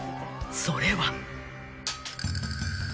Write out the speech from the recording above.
［それは］